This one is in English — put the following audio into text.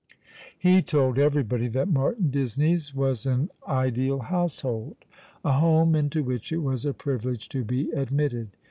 He told everybody that Martin Disney's was an ideal house hold — a home into which it was a privilege to be admitted.